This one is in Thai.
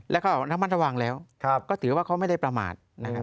แล้วเขาเอาน้ำมันระวังแล้วก็ถือว่าเขาไม่ได้ประมาท